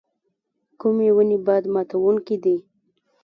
کومې ونې باد ماتوونکي دي؟